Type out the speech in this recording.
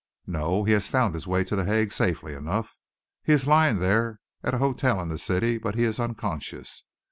"No, he has found his way to The Hague safely enough. He is lying there at a hotel in the city, but he is unconscious.